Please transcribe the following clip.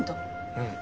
うん。